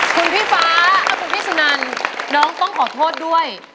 คุณพี่ฟ้าและคุณพี่สุนันน้องต้องขอโทษด้วย